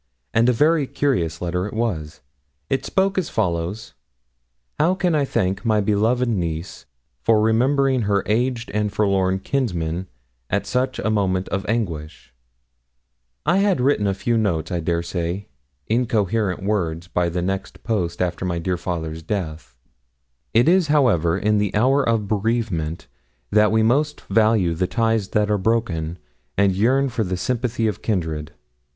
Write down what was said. And a very curious letter it was. It spoke as follows: 'How can I thank my beloved niece for remembering her aged and forlorn kinsman at such a moment of anguish?' I had written a note of a few, I dare say, incoherent words by the next post after my dear father's death. 'It is, however, in the hour of bereavement that we most value the ties that are broken, and yearn for the sympathy of kindred.'